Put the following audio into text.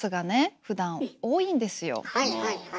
私はいはいはい。